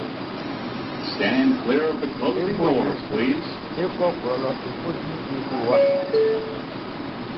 E bo yo kun e kɔ klɔ lɔ e ko di ngowa.